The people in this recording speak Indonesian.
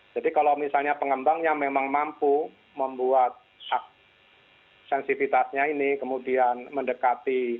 jadi kalau misalnya pengembangnya memang mampu membuat sensifitasnya ini kemudian mendekati